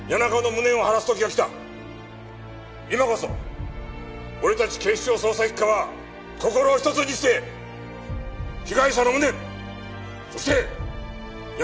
今こそ俺たち警視庁捜査一課は心を一つにして被害者の無念そして谷中警部補の無念を晴らす！